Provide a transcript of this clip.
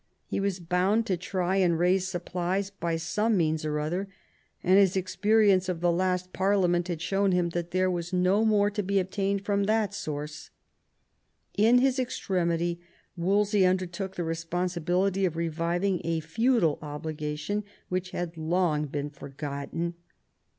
He was boimd to try and raise supplies by some means or other, and his experience of the last Par liament had shown him that there was no more to be obtained from that source. In his extremity Wolsey undertook the responsibility of reviving a feudal obliga tion which had long been forgotten.